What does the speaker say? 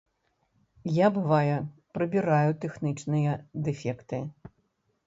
Я, бывае, прыбіраю тэхнічныя дэфекты.